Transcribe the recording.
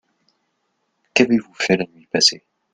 Qu'avez-vous fait la nuit passée ?